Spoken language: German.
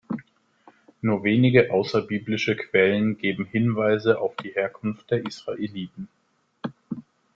Nur wenige außerbiblische Quellen geben Hinweise auf die Herkunft der Israeliten.